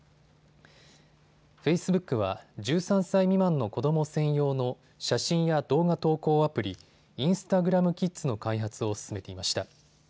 フェイスブックは１３歳未満の子ども専用の写真や動画投稿アプリ、インスタグラム・キッズの開発を進めていました。